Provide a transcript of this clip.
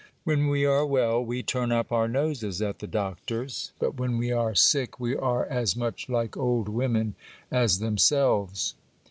When we are well, we turn up our noses at the doctors ; but when we are sick, we are as much like old women as themselves.